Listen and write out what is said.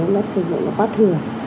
nó quá thừa